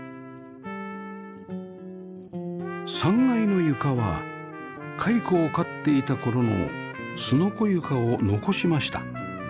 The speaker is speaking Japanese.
３階の床は蚕を飼っていた頃のすのこ床を残しました